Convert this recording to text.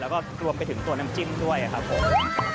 แล้วก็รวมไปถึงตัวน้ำจิ้มด้วยครับผม